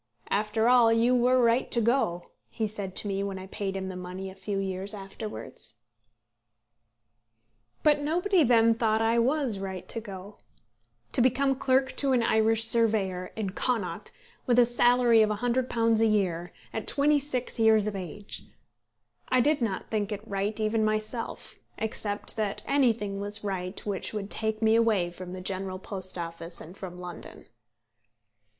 "After all you were right to go," he said to me when I paid him the money a few years afterwards. But nobody then thought I was right to go. To become clerk to an Irish surveyor, in Connaught, with a salary of £100 a year, at twenty six years of age! I did not think it right even myself, except that anything was right which would take me away from the General Post Office and from London.